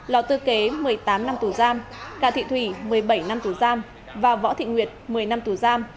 lò tư kế một mươi tám năm tù giam cà thị thủy một mươi bảy năm tù giam và võ thị nguyệt một mươi năm tù giam